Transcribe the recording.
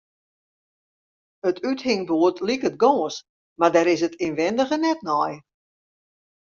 It úthingboerd liket gâns, mar dêr is 't ynwindige net nei.